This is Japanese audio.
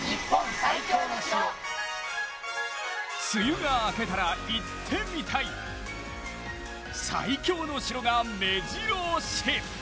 梅雨が明けたら行ってみたい最強の城がめじろ押し。